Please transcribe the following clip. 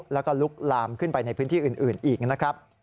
แล้วก็ลุกลามขึ้นไปในพื้นที่อื่นอีกนะครับ